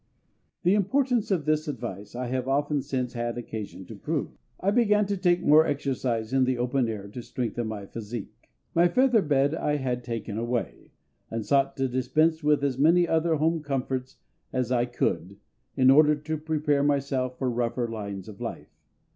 The importance of this advice I have often since had occasion to prove. I began to take more exercise in the open air to strengthen my physique. My feather bed I had taken away, and sought to dispense with as many other home comforts as I could, in order to prepare myself for rougher lines of life.